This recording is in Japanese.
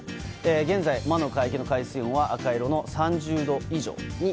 現在、魔の海域の海水温は赤色の３０度以上。